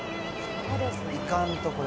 行かんと、これ。